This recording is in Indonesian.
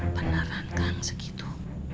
beneran kan segitu